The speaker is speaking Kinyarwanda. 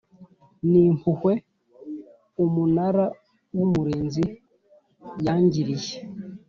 n impuhwe umunara w umurinzi yangiriye